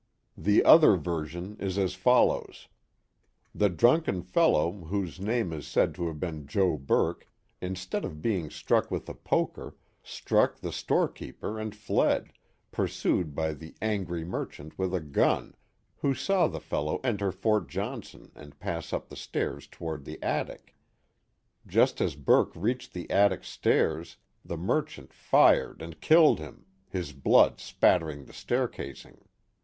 The other version is as follows: The drunken fellow, whose name is said to have been Joe Burke, instead of being struck with a poker, struck the store keeper and fled, pursued by the angry merchant with a gun, who saw the fellow enter Fort Johnson and pass up the stairs toward the attic. Just as Burke reached the attic stairs the merchant fired and killed him, his blood spattering the stair casing.